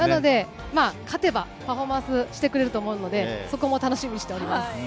勝てばパフォーマンスしてくれると思うので、そこも楽しみにしております。